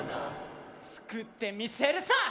つくってみせるさ！